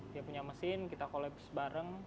dia punya mesin kita collab sebareng